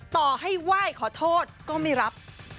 ต่อให้ไหว้ขอโทษก็ไม่รับ